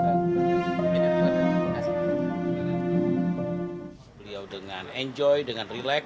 beliau dengan enjoy dengan relax